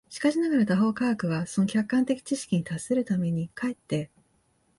しかしながら他方科学は、その客観的知識に達するために、却って